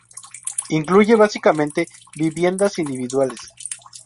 Incluye básicamente viviendas individuales.